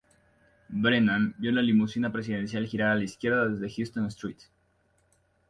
Brennan vio la limusina presidencial girar a la izquierda desde Houston St.